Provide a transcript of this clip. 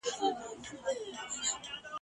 ځکه چي موږ امام بدلوو مګر ایمان نه بدلوو !.